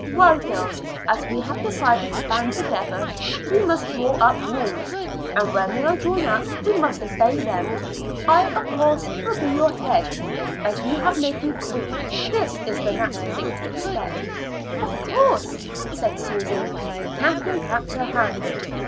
Well, girls, as we have decided to band together, we must draw up rules; and when they are drawn up we must obey them. I, of course, will be your head; as you have made me queen, that is the natural thing to expect." "Of course," said Susy. Kathleen clapped her hands.